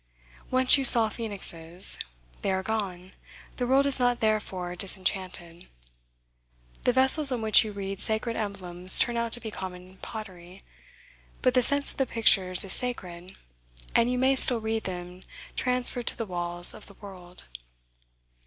Once you saw phoenixes: they are gone; the world is not therefore disenchanted. The vessels on which you read sacred emblems turn out to be common pottery; but the sense of the pictures is sacred, and you may still read them transferred to the walls of the world.